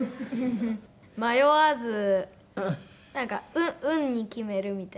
迷わず運に決めるみたいな。